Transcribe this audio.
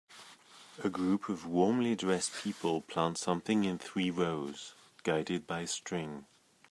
A group of warmly dressed people plant something in three rows, guided by string.